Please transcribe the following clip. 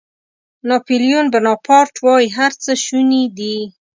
ناپیلیون بناپارټ وایي هر څه شوني دي.